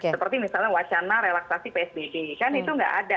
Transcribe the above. seperti misalnya wacana relaksasi psbb kan itu nggak ada